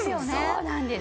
そうなんです！